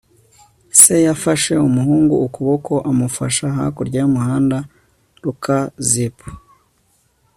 se yafashe umuhungu ukuboko amufasha hakurya y'umuhanda. (lukaszpp